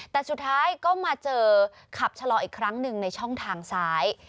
แต่สุดท้ายก็มาเจอขับชะลออีกครั้งหนึ่งในช่องทางซ้าย